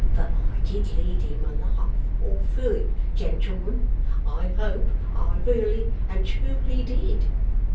But I did lead him a life all through it, gentlemen, I hope I really and truly DID!